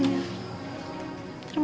aku mau pergi